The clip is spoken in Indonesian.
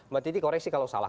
mbak titi koreksi kalau salah